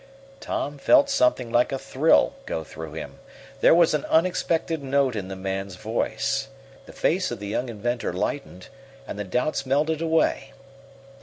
Tom felt something like a thrill go through him. There was an unexpected note in the man's voice. The face of the young inventor lightened, and the doubts melted away.